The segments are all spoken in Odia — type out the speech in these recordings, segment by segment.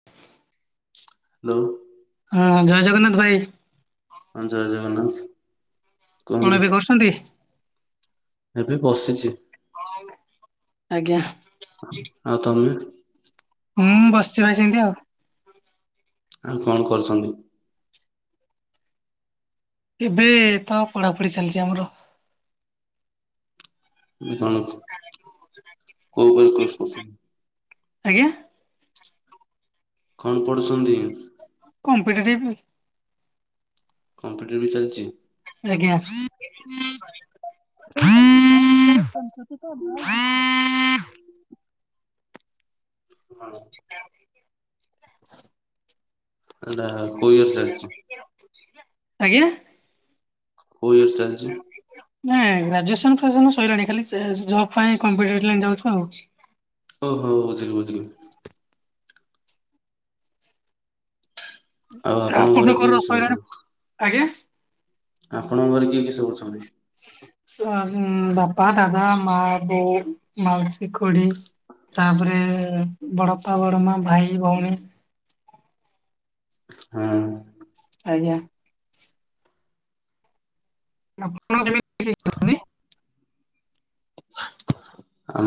[inaudible] ହ୍ୟାଲୋ। ହଁ ଜୟ ଜଗନ୍ନାଥ ଭାଇ। ହଁ ଜୟ ଜଗନ୍ନାଥ। କୁହନ୍ତୁ। କଣ ଏବେ କରୁଛନ୍ତି। ଏବେ ବସିଛି। ଆଜ୍ଞା। ଆଉ ତମେ ହଁ ବସିଛି ଭାଇ ସେମିତି ଆଉ। ଆଉ କଣ କରୁଛନ୍ତି। ଏବେ ତ ପଢାପଢି ଚାଲିଛି ଆମର। କଣ। [inaudible] [unintelligible] ଆଜ୍ଞା। କଣ ପଢୁଛନ୍ତି। କମ୍ପିଟେଟିଭୁ। କମ୍ପିଟେଟିଭ ବି ଚାଲିଛି। ଆଜ୍ଞା। [inaudible] ହଁ। [inaudible] ଏଇଟା କୋଉ ଇୟର୍ଶ ଚାଲିଛି? ଆଜ୍ଞା। କୋଉ ଇୟର ଚାଲିଛି? ନାଇଁ ଗ୍ରାଜୁଏସନ ଫାଯୁଏସନ୍ ସଇଲାଣି ଖାଲି ସେ ଜବ୍ ପାଇଁ କମ୍ପିଟେଟିଭ ଲାଇନ୍ ଯାଉଛୁ ଆଉ। ହଉ ହଉ ବୁଝିଲି ବୁଝିଲି। ଆଉ ଆପଣଙ୍କ ଘରେ କିଏ ଆପଣଙ୍କର କିଏ ସବୁ ସଇଲାଣି ଅଛନ୍ତି? ଆଜ୍ଞା। ଆପଣଙ୍କ ଘରେ କିଏ କିଏ ସବୁଅଛନ୍ତି? [inaudible] ବାପା ଦାଦା ମା ବୋଉ ମାଉସୀ ଖୁଡ଼ି। ତାପରେ ବଡପା ବଡ ମା ଭାଇ ଭଉଣୀ। ହଁ। ଆଜ୍ଞା। ଆପଣଙ୍କର [unintelligible] କିଏ କିଏ ଅଛନ୍ତି?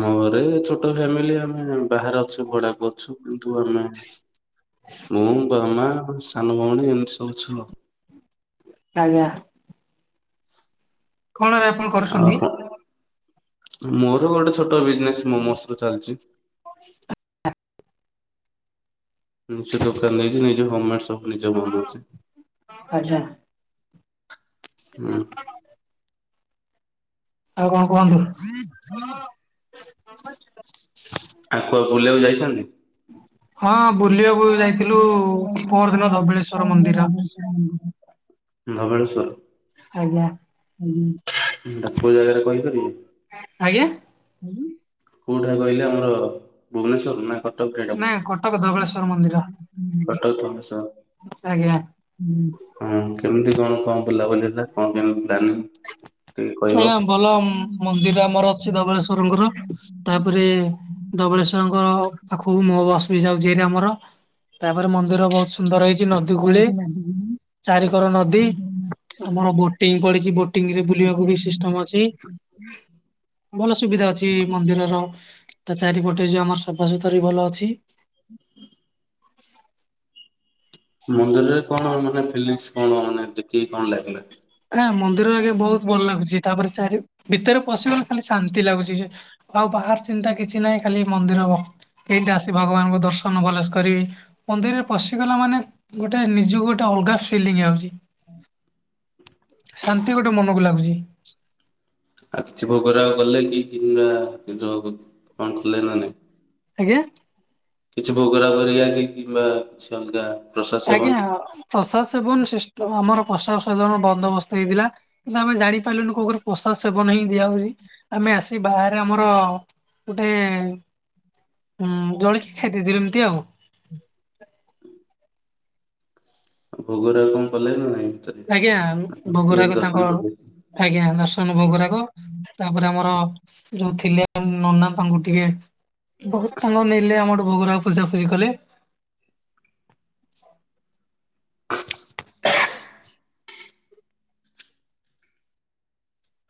ଆମ ଘରେ ଛୋଟ ଫ୍ୟାମିଲି ଆମେ ବାହାରେ ଅଛୁ ଭଡାକୁ ଅଛୁ। [unintelligible] ମୁଁ ବାବା ମା ସାନ ଭଉଣୀ ଏମିତି ସବୁଅଛୁ ଆଉ। ଆଜ୍ଞା। କଣ ଏବେ ଆପଣ ଆଉ କରୁଛନ୍ତି? କଣ ମୋର ଗୋଟେ ଛୋଟ ବିଜନେସ୍ ମୋମୋସ ର ଚାଲିଛି। [inaudible] ନିଜ ଦୋକାନ ନେଇଛି ନିଜ ହମେଡ ସବୁ ନିଜ ବନଉଛି। ଆଛା। ହୁଁ। ଆଉ କଣ କୁହନ୍ତୁ? ଆଉ କୁଆଡେ ବୁଲିବାକୁ ଯାଇଛନ୍ତି? ହଁ ବୁଲିବାକୁ ହଁ ଯାଇଥିଲୁ ବୁଲିବାକୁ [unintelligible] ପରଦିନ ଧବଳେଶ୍ଵର ମନ୍ଦିର। [unintelligible] ଧବଳେଶ୍ୱର। ଆଜ୍ଞା। ସେଟା କୋଉ ଜାଗାରେ କହିପାରିବେ? ଆଜ୍ଞା। କୋଉଟା କହିଲେ ଆମର ଭୁବନେଶ୍ଵର ନା କଟକ ରେ ଏଇଟା ନା ପଡୁଛି? କଟକ ଧବଳେଶ୍ଵର ମନ୍ଦିର କଟକ ଧବଳେଶ୍ୱର। ଆଜ୍ଞା। ହଁ କେମିତି କଣ କଣ ବୁଲାବୁଲି ହେଇଥିଲା କଣ କେମିତି ପ୍ଲାନ ଆଜ୍ଞା ଭଲ ମନ୍ଦିର ଆମର ଅଛି ଧବଳେଶ୍ୱର ଠାକୁରଙ୍କର ତାପରେ ଧବଳେଶ୍ଵରଙ୍କ ପାଖକୁ ମୋ ବସ୍ ବି ଯାଉଛି ଏଠି ଆମର ତାପରେ ମନ୍ଦିର ବହୁତ ସୁନ୍ଦର ହେଇଛି ନଦୀ ଆମର କୂଳେ ଏଇଠି ନଦୀ ଚାରିିକର ନଦୀ ଆମର ବୋଟିଂ ପଡିଛି ବୋଟିଙ୍ଗରେ ବୁଲିବାକୁ ବି ସିଷ୍ଟମ ଅଛି ଭଲ ସୁବିଧା ଅଛି ମନ୍ଦି ରର ତା ଚାରିପଟେ ଯୋଉ ଆମର ସଫାସୁତୁର ବି ଭଲ ଅଛି। ହ ହ ମନ୍ଦିରରେ କଣ ମାନେ ଫିଲିଙ୍ଗସ କଣ ମାନେ ଦେଖିକି କଣ ଲାଗିଲା? ନା ମନ୍ଦିର ଆଗେ ବହୁତ ଭଲ ଲାଗୁଛି ତାପରେ ଚାରି ଭିତରେ ପଶିଗଲେ ଖାଲି ଶାନ୍ତି ଲାଗୁଛି ଯେ ଆଉ ବାହାର ଚିନ୍ତା କିଛି ନାହିଁ ଖାଲି ମନ୍ଦିର କେନ୍ତି ଆସି ଭଗବାନଙ୍କୁ ଦର୍ଶନ ଭଲସେ କରିବି। ମନ୍ଦିରରେ ପଶିଗଲା ମାନେ ଗୋଟେ ନିଜକୁ ଗୋଟେ ଅଲଗା ଫିଲିଙ୍ଗ ଆସୁଛି। ଶାନ୍ତି ଗୋଟେ ମନକୁ ଲାଗୁଛି। ଆଉ କିଛି ଭୋଗ ରାଗ କଲେ କି କିମ୍ବା କଣ କଲେ ନା ନାଇଁ। ଆଜ୍ଞା। କିଛି ଭୋଗ ରାଗ କଲେ କି କିମ୍ବା କିଛି ଅଲଗା ପ୍ରସାଦ ସେବନ ଆଜ୍ଞା। ପ୍ରସାଦ ସେବନ ସିଷ୍ଟମ ଆମର ପ୍ରସାଦ ସେବନ ବନ୍ଦୋବସ୍ତ ହେଇଥିଲା କିନ୍ତୁ ଆମେ ଜାଣିପାରିଲୁନୁ କୋଉ କରେ ପ୍ରସାଦ ସେବନ ହିଁ ଦିଆହଉଛି ଆମେ ଆ ସି ବାହାରେ ଆମର ଗୋଟେ ଉଁ ଜଳିଖିଆ ଖାଇ ଦେଇଥିଲୁ ଏମତି ଆଉ ହୁଁ ଆଉ ଭୋଗ ରାଗ କଣ କଲେଣି ନା ନାଇଁ? ଭିତରେ? ଆଜ୍ଞା ଭୋଗ ଏମିତି ରାଗ ଦର୍ଶନ ତାଙ୍କ କଲେ ଆଜ୍ଞା ଦର୍ଶନ ଭୋଗ ରାଗ। ତାପରେ ଆମର ଯୋଉ ଥିଲେ ନନା ତାଙ୍କୁ ଟିକେ ବହୁତ ସମୟ ନେଲେ ଆମଠୁ ଭୋଗରା ପୂଜାଫୂଜି କଲେ।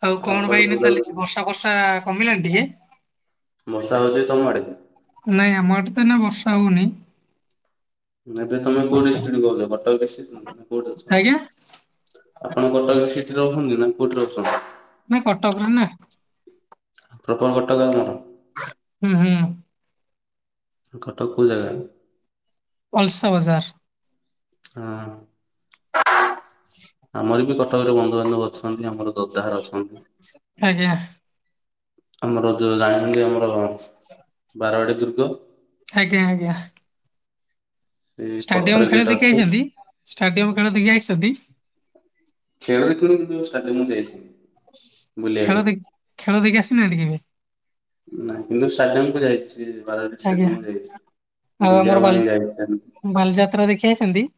ଆଉ କଣ କୁଆଡେ ଭାଇନା ବୁଲାବୁଲି ଚାଲିଛି ବର୍ଷା ଫର୍ଷା କମିଲାଣି ଟିକେ? ବର୍ଷା ହଉଛି ତମ ଆଡେ? ନାଇଁ ଆମ ଆଡେ ତ ଏଇନା ବର୍ଷା ହଉନି। ଏବେ ତମେ କୋଉ ଡିଷ୍ଟିକରୁ କହୁଛ କଟକ ଡିଷ୍ଟିକ ନା କୋଉଠି ଅଛନ୍ତି? ଆଜ୍ଞା ଆପଣ କଟକର ସିଟିରେ ରହୁଛନ୍ତି ନା କୋଉଠି ରହୁଛନ୍ତି? ନା କଟକରେ ନା। ପ୍ରପର କଟକର ଆପଣ? ହୁଁ ହୁଁ। କଟକ କୋଉ ଜାଗା? ଅଲସା ବଜାର। ହଁ ଆମର ବି କଟକରେ ବନ୍ଧୁବାନ୍ଧବ ଅଛନ୍ତି ଆମର। ଦଦା ଘର ଅଛନ୍ତି। ଆଜ୍ଞା। ଆମର ଯୋଉ ଜାଣିଛନ୍ତି ଆମର ବାରବାଟି ଦୁର୍ଗ ଆଜ୍ଞା ଆଜ୍ଞା। ସେ ପଥର ଷ୍ଟାଡିୟମ ଖେଳ ଗେଟ୍ ଦେଖି ଅଛି। ଯାଇଛନ୍ତି ଷ୍ଟାଡିୟମ ଖେଳ ଦେଖି ଆସିଛନ୍ତି? ଖେଳ ଦେଖିନି କିନ୍ତୁ ଷ୍ଟଡିୟମ୍ ମୁଁ ଯାଇଛି। ଖେଳ ବୁଲିବାକୁ। ଦେ ଖେଳ ଦେଖି ଆସିନାହାନ୍ତି କେବେ? ନାଇଁ କିନ୍ତୁ ଷ୍ଟାଡିୟମକୁ ଯାଇଛି ବାରବାଟି ଆଜ୍ଞା ଷ୍ଟାଡିୟମ ଯାଇଛି ଆଉ ଆମର ବୁଲିବା ବାଲି ପାଇଁ ଯାଇଛି। ବାଲିଯାତ୍ରା ଦେଖି ଆସିଛନ୍ତି?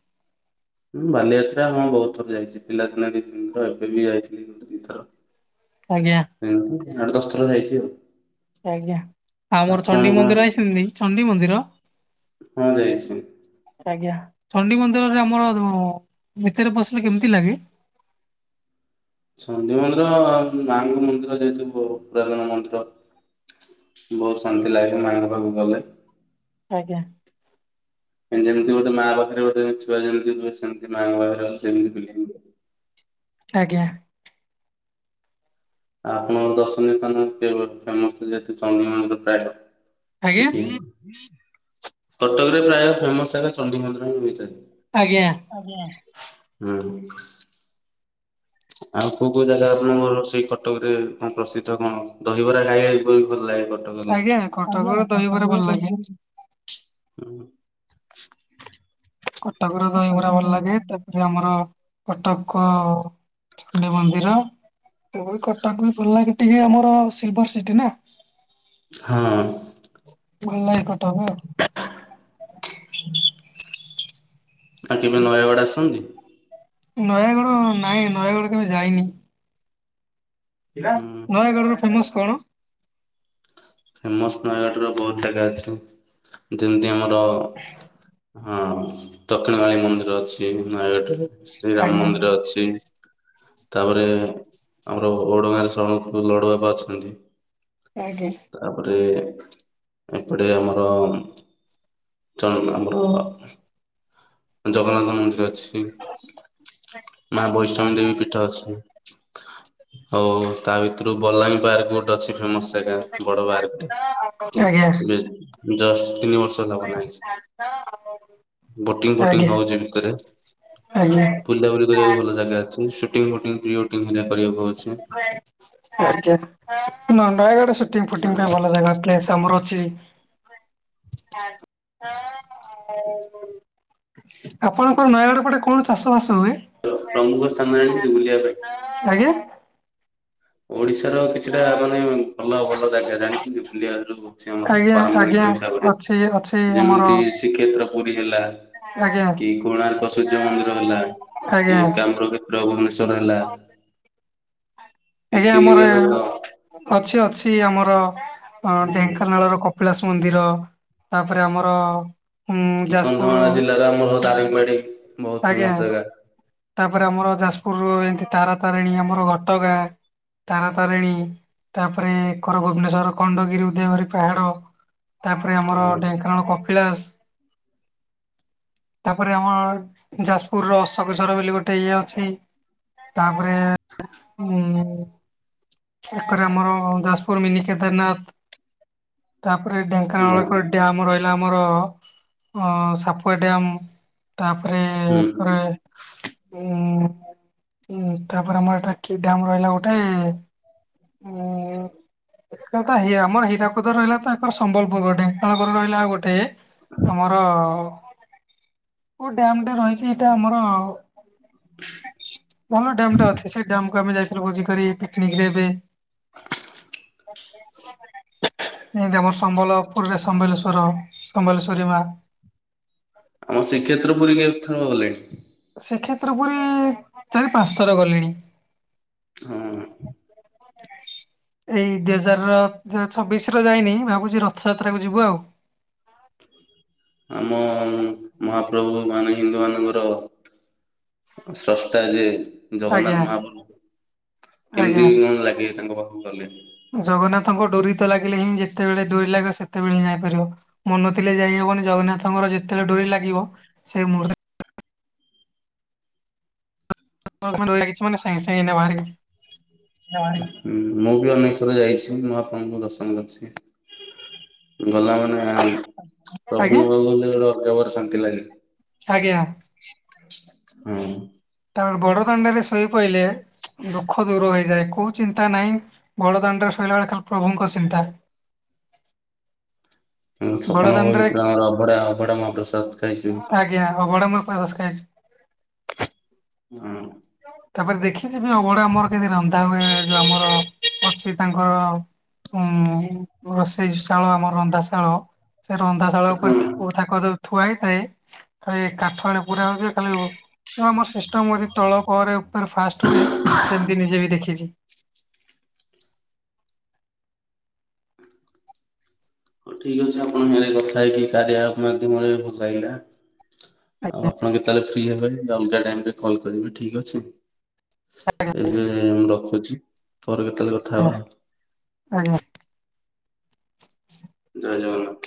ହଁ ବାଲିଯାତ୍ରା ହଁ ବହୁତ ଥର ଯାଇଛି ପିଲାଦିନେ ଦି ତିି ଥର ଏବେ ବି ଯାଇଥିଲି ଗୋଟେ ଦି ଥର। ଆଜ୍ଞା। ଆଠ ଦଶଥର ଯାଇଛି ଆଉ। ଆଜ୍ଞା ଆଉ ଆମର କଣ ଚଣ୍ଡି କଣ ମନ୍ଦିର ଯାଇଛନ୍ତି ଚଣ୍ଡି ମନ୍ଦିର? ହଁ ଯାଇଛି। ଆଜ୍ଞା ଚଣ୍ଡି ମନ୍ଦିରରେ ଆମର ଭିତରେ ପଶିଲେ କେମିତି ଲାଗେ? ଚଣ୍ଡି ମନ୍ଦିର ମାଙ୍କ ମନ୍ଦିର ଯାଇଥିବୁ [unintelligible] ମନ୍ଦିର ବହୁତ ଶାନ୍ତି ଲାଗେ ମାଙ୍କ ପାଖକୁ ଗଲେ। ଆଜ୍ଞା। ଯେମିତି ଗୋଟେ ମା ପାଖରେ ଗୋଟେ ଛୁଆ ଯେମିତି ହୁଏ ସେମତି ମାଙ୍କ ପାଖରେ ସେମିତି ବୁଲି ଆଜ୍ଞା। ଆଉ ଆପଣଙ୍କ ଦର୍ଶନୀୟ ସ୍ଥାନ ଫେ - ଫେମସ୍ ଯେହେତୁ ଚଣ୍ଡୀମନ୍ଦିର ପ୍ରାୟତ। ଆଜ୍ଞା ସେଠି କଟକରେ ପ୍ରାୟ ଫେମସ ଜାଗା ଚଣ୍ଡିମନ୍ଦିର ହିଁ ହୋଇଥାଏ। ଆଜ୍ଞା। ଆଜ୍ଞା, ହୁଁ। ଆଉ କୋଉ କୋଉ ଜାଗା ନୂଆ ନୂଆ ସେଇ କଟକରେ କଣ ପ୍ରସିଦ୍ଧ କଣ ଦହିବରା ଖାଇବାକୁ ବି ବହୁତ୍ ଭଲ ଲାଗେ [unintelligible] କଟକରେ ଆଜ୍ଞା ଆଜ୍ଞା କଟକର କଟକ ଦହିବରା ରେ ଭଲ ଲାଗେ। ଦହିବରା କଟାକ ରେ ଦହିବରା ଭଲଲାଗେ ତ ପରେ ଯୋଉ ଆମର କଟକ ଚଣ୍ଡୀ ମନ୍ଦିର ସେଭଳି କଟକ ବି ଭଲ ଲାଗେ ଟିକେ ଆମର ସିଲଭର ସିଟି ନା। ହଁ। ଭଲଲାଗେ କଟକ। ଆଉ କେବେ ନୟାଗଡ଼ ଆସନ୍ତି? ନୟାଗଡ ନାହିଁ ନୟାଗଡ କେବେ ଯାଇନି। ପିଲା, ହୁଁ ନୟାଗଡ ର ଫେମସ କଣ? ଫେମସ୍ ନୟାଗଡ଼ ର ବହୁତ୍ ଜାଗା ଅଛି ଯେମିତି ଆମର ହଁ ଦକ୍ଷିଣକାଳି ମନ୍ଦିର ଅଛି ଏଇଠି ନୟାଗଡ଼ରେ। ଶ୍ରୀରାମ ଆଜ୍ଞା ମନ୍ଦିର ଅଛି। ତାପରେ ଆମର ଓଡ ଗାଁ ରେ ସରମ ପୁରୁ ଲଡୁବାବା ଅଛନ୍ତି। ଆଜ୍ଞା। ତାପରେ ଏପଟେ ଆମର ଆମର ଚ ଆମର ଜଗନ୍ନାଥ ମନ୍ଦିର ଅଛି ମା ବୈଷ୍ଣବୀ ଦେବୀ ପୀଠ ଅଛି। ହଉ ତା ଭିତରୁ ବଲାଙ୍ଗୀ ପାର୍କ ଗୋଟେ ଅଛି ଫେମସ୍ ଜାଗା ବଡ ପାର୍କେ। ଆଜ୍ଞା ବୁଝିଲେ ଜଷ୍ଟ ତିନି ବର୍ଷ ହେଲା ବନାହେଇଛି। ବୋଟିଂ ଫୋଟିଂ ଆଜ୍ଞା ହଉଛି ଭିତରେ ଆଜ୍ଞା ବୁଲାବୁଲି କରିବାକୁ ଭଲ ଜାଗା ଅଛି। ବୋଟିଂ ଫୋଟିଂ କରିବାକୁ ଅଛି [unintelligible] ଆଜ୍ଞା ନୟାଗଡ ସୁଟିଂ ଫୁଟିଂ ପାଇଁ ଭଲ ଜାଗା ପ୍ଲେସ୍ ଅଛି। ତମର ଅଛି ଆପଣଙ୍କର ନୟାଗଡ ପଟେ କଣ ଚାଷ ବାସ ହୁଏ? ପ୍ର ପ୍ରମୁଖ ସ୍ଥାନ ଆଣି ଦଗୁଲିବା ପାଇଁ। ଆଜ୍ଞା। ଓଡିଶାର କିଛି ଛିଟା ମାନେ ଭଲ ଭଲ ଜାଗା ଜାଣିଛନ୍ତି ବୁଲିବା ହଉଛି ଆମର ପାରମ୍ପରିକ ହିସାବରେ। ଏ ଗଛରେ ଯେମିତି ଶ୍ରୀକ୍ଷେତ୍ର ପୁରୀ ହେଲା। ଆଜ୍ଞା କି କୋଣାର୍କ ସୂର୍ଯ୍ୟ ମନ୍ଦିର ହେଲା ଆଜ୍ଞା କି ଏକାମ୍ର କ୍ଷେତ୍ର ଭୁବନେଶ୍ଵର ହେଲା କି ଆଜ୍ଞା ଆମର ଚିଲିକା ଏ ହ୍ରଦ। ଅଛି ଅଛି ଆମର ହୁଁ ଢେଙ୍କାନାଳର କପ କପିଳାସ ମନ୍ଦିର ତାପରେ ଆମର ଉଁ କି ଯାଜପୁର କନ୍ଧମାଳ ଜିଲ୍ଲା ଆମର ଦାରିଙ୍ଗବାଡି ବୋହୁତ୍ ଆଜ୍ଞା ଫେମସ ଜାଗା। ତାପରେ ଆମର ଯାଜପୁର ଏମତି ତାରାତାରିଣୀ ଆମର ଘଟଗାଁ ତାରା ତାରିଣୀ ତାପରେ ଏକର ଭୁବନେଶ୍ୱର ଖଣ୍ଡଗିରି ଉଦୟଗରି ପାହାଡ। ତାପରେ ଆମର ହଁ ଢେଙ୍କାନାଳ, କପିଳାସ। ତାପରେ ଆମର ଯାଜପୁର ର ଅଶୋକଝର ବୋଲି ଗୋଟେ ଇଏ ଅଛି। ତାପରେ ମୁଁ [inaudible] ଆମର ଯାଜପୁର ମିନି କେଦାରନାଥ। ତାପରେ ହଁ ଢେଙ୍କାନାଳ ଏପଟେ ଡ୍ୟାମ ରହିଲା ଆମର ହଁ ସାପୁଆ ଡ୍ୟାମ୍ ତାପରେ ଉଁ ହୁଁ। ଅ ଉଁ ଉଁ ତାପରେ ଆମର ଏଟା କି ଡ୍ୟାମ ରହିଲା ଗୋଟେ ଉଁ [unintelligible] ତ ହେଇଆ ଆମର ହୀରାକୁଦ ରହିଲା ତ [unintelligible] ସମ୍ବଲପୁର ପଟେ ତାପରେ ରହିଲା ଆଉ ଗୋଟେ ତମର କୋଉ ଡ୍ୟାମ ଟା ରହିଚି ଏଇଟା ଆମର ଆଉ ଭଲ ଡ୍ୟାମ ଟେ ଅଛି। ସେଇ ଡ୍ୟାମ କୁ ଆମେ ଯାଇଥିଲୁ ଭୋଜି କରି ପିକନିକ ରେ। ବେ ଏନ୍ତି ଆମର ସମ୍ବଲପୁରରେ ସମ୍ବଲେଶ୍ଵର, ସମ୍ବଲେଶ୍ଵରୀ ମା। ଆମ ଶ୍ରୀକ୍ଷେତ୍ର ପୁରୀ କେ ଥର ଗଲେଣି? ଶ୍ରୀକ୍ଷେତ୍ର ପୁରୀ ଚାରି ପାଞ୍ଚ ଥର ଗଲିଣି। ଅଁ ହଁ ହୁଁ। [inaudible] ଏଇ ଦି ହଜାର ଯ ଛବିଶ ର ଯାଇନି ଭାବୁଛି ରଥଯାତ୍ରା କୁ ଯିବୁ ଆଉ। ଆମ ମହାପ୍ରଭୁ ମାନେ ହିନ୍ଦୁ ମାନଙ୍କର ସ୍ରଷ୍ଟା ଯେ ଆଜ୍ଞା ଜଗନ୍ନାଥ ମହାପ୍ରଭୁ କେମିତି ଆଜ୍ଞା କଣ ଲାଗେ ତାଙ୍କ ପାଖକୁ ଗଲେ? ଜଗନ୍ନାଥଙ୍କ ଡୋରି ତ ଲାଗିଲେ ହିଁ ଯେତେବେଳେ ଡୋରି ଲାଗିବ ସେତେବେଳେ ହିଁ ଯାଇପାରିବ। ମନ ଥିଲେ ଯାଇ ହବନି ଜଗନ୍ନାଥଙ୍କର ଯେତେବେଳେ ଡୋରି ଲାଗିବ ସେ ମୁହୂର୍ତ [unintelligible] ଲାଗିଛି ମାନେ ସାଙ୍ଗେ ସାଙ୍ଗେ ଏଇନେ ବାହାରି। [unintelligible] ହୁଁ ମୁଁ ବି ଅନେକ ଥର ଯାଇଛି ମହାପ୍ରଭୁଙ୍କୁ ଦର୍ଶନ କରିଛି। ଗଲା ମାନେ ଆଜ୍ଞା ପ୍ରଭୁଙ୍କ ପାଖକୁ [unintelligible] ଶାନ୍ତି ଲାଗେ। ଆଜ୍ଞା। [inaudible] [inaudible] ତାର ବଡ଼ଦାଣ୍ଡରେ ଶୋଇପଇଲେ ଦୁଃଖ ଦୂର ହୋଇଯାଏ କଉ ଚିନ୍ତା ନାଇଁ। ବଡ଼ଦାଣ୍ଡରେ ଶୋଇଲା ବେଳେ ଖା ପ୍ରଭୁଙ୍କ ଚିନ୍ତା। ଆମ ବଡ ଛପନ ଦାଣ୍ଡରେ [unintelligible] ଆମର ଅଭଡା ଅଭଡା ମହାପ୍ରସାଦ ଖାଇଛି। ଦିଆ ଅଭଡ଼ା ମୁଁ [unintelligible] ଖାଇଛି। ହୁଁ। [inaudible] ତାପରେ ଦେଖିଛି ବି ଅଭଡା ଆମର କେମିତି ରନ୍ଧା ହୁଏ, ଯୋଉ ଆମର ଅଛି ତାଙ୍କର ଉଁ ରୋଷେଇଶାଳ ଆମ ରନ୍ଧାଶାଳ, ସେ ରନ୍ଧାଶାଳ ଉପରେ ଥାକୁ ତାକଦ ଥୁଆ ହେଇଥାଏ। ଖାଲି କାଠରେ ପୁରା ହୁଏ ଖାଲି [unintelligible] ଶ୍ରେଷ୍ଠ [unintelligible] ଯଦି ତଳ ପରେ ଉପରେ ଫାଷ୍ଟ ହୁଏ ସେମିତି ନିଜେ ବି ଦେଖିଛି। ହଉ ଠିକ ଅଛି ଆପଣଙ୍କରେ କଥା ହେଇକି କାରିଆ ମାଧ୍ୟମରେ ଭଲ ଲାଗିଲା। ଆଉ ଆପଣ କେତେବେଲେ ଫ୍ରି ହେବେ ଅଲଗା ଟାଇମ ରେ କଲ୍ କରିବେ ଠିକ ଅଛି। ଆଜ୍ଞା। ଏବେ ମୁଁ ରଖୁଛି। ପରେ କେତେବେଳେ କଥା ଆଜ୍ଞା ହବା ଆଉ। ଆଜ୍ଞା। ଜୟ ଜଗନ୍ନାଥ।